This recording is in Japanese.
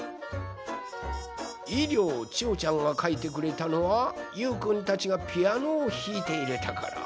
いりょうちおちゃんがかいてくれたのはゆうくんたちがピアノをひいているところ。